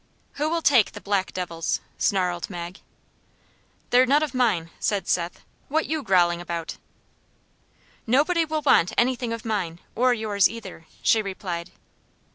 "Who'll take the black devils?" snarled Mag. "They're none of mine," said Seth; "what you growling about?" "Nobody will want any thing of mine, or yours either," she replied.